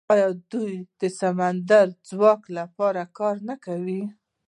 آیا دوی د سمندري ځواک لپاره کار نه کوي؟